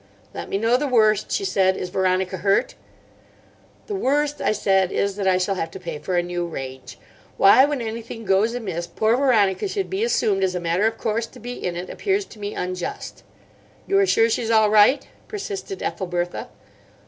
"Let me know the worst," she said. "Is Veronica hurt?" "The worst," I said, "is that I shall have to pay for a new range. Why, when anything goes amiss, poor Veronica should be assumed as a matter of course to be in it, appears to me unjust." "You are sure she's all right?" persisted Ethelbertha.